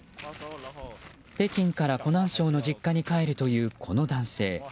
北京から湖南省の実家に帰るというこの男性。